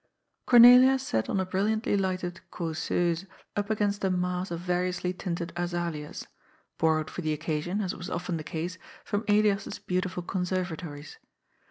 Cornelia sat on a brilliantly lighted '^causeuse" up against a mass of variously tinted azaleas (borrowed for the occasion, as was often the case, from Elias's beautiful con servatories).